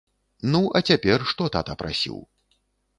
Ну, а цяпер, што тата прасіў?